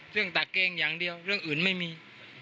ตะเกงอย่างเดียวเรื่องอื่นไม่มี